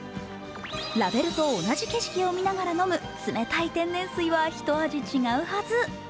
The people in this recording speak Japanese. ラベルと同じ景色を見ながら飲む冷たい天然水は、ひと味違うはず。